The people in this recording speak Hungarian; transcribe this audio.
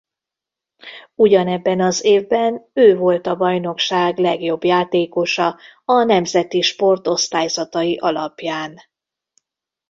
Ugyanebben az évben ő volt a bajnokság legjobb játékosa a Nemzeti Sport osztályzatai alapján.